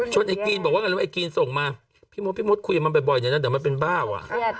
ชนไอ้กรีนบอกว่าไอ้กรีนส่งมาพี่มดคุยกับมันบ่อยอย่างนั้นเดี๋ยวมันเป็นบ้าว